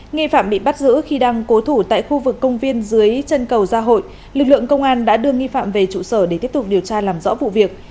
nghi phạm bị bắt giữ khi đang cố thủ tại khu vực công viên dưới chân cầu gia hội lực lượng công an đã đưa nghi phạm về trụ sở để tiếp tục điều tra làm rõ vụ việc